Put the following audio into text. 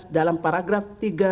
dalam paragraf tiga sepuluh satu